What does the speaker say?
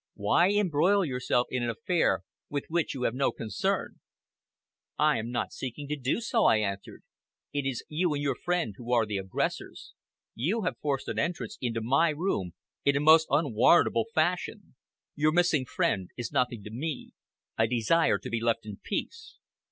Why embroil yourself in an affair with which you have no concern?" "I am not seeking to do so," I answered. "It is you and your friend who are the aggressors. You have forced an entrance into my room in a most unwarrantable fashion. Your missing friend is nothing to me. I desire to be left in peace."